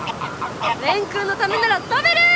蓮君のためなら飛べる！